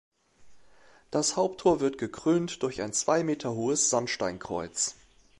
Das Haupttor wird gekrönt durch ein zwei Meter hohes Sandsteinkreuz.